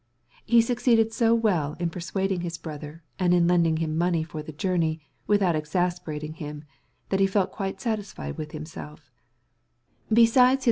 He succeeded so well in persuading his brother, and in lending him money for the journey without irritating him, that he was satisfied with himself in that matter.